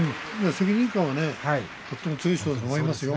責任感はとても強い人だと思いますよ。